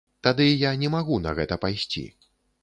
Тады я не магу на гэта пайсці.